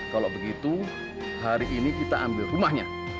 kalau begitu hari ini kita ambil rumahnya